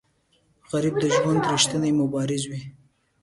غریب د ژوند ریښتینی مبارز وي